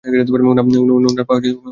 উনার পা মাথায় তুলবো?